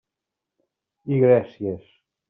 I gràcies.